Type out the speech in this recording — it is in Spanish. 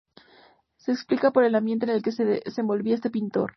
Se explica por el ambiente en el que se desenvolvía este pintor.